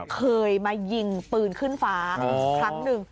เคยมายิงปืนขึ้นฟ้าครั้งหนึ่ง